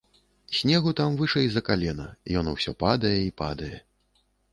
Снегу там вышэй за калена, ён усё падае і падае.